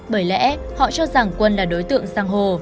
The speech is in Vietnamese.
bởi lẽ họ cho rằng quân là đối tượng giang hồ